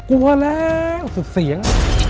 กลัวแล้วสุดเสียง